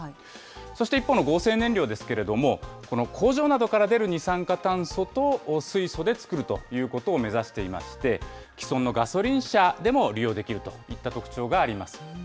そして一方の合成燃料ですけれども、この工場などから出る二酸化炭素と水素で作るということを目指していまして、既存のガソリン車でも利用できるといった特徴があります。